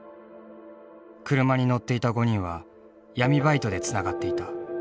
車に乗っていた５人は闇バイトでつながっていた。